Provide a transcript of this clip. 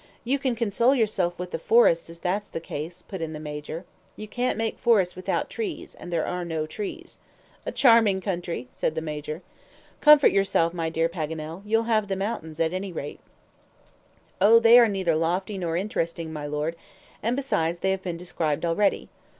"You can console yourself with the forests if that's the case," put in the Major. "You can't make forests without trees, and there are no trees." "A charming country!" said the Major. "Comfort yourself, my dear Paganel, you'll have the mountains at any rate," said Glenarvan. "Oh, they are neither lofty nor interesting, my Lord, and, beside, they have been described already."